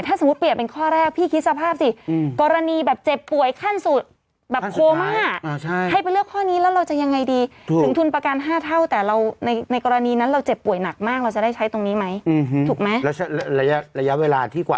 ถ้าสมมุติเปลี่ยนเป็นข้อแรก